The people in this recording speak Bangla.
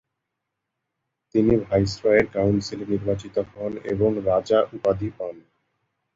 তিনি ভাইসরয়ের কাউন্সিলে নির্বাচিত হন এবং “রাজা” উপাধি পান।